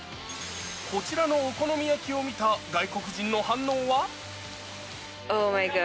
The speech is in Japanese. こちらのお好み焼きを見た外国人の反応は。